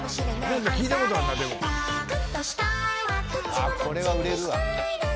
あこれは売れるわ。